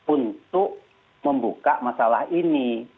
untuk membuka masalah ini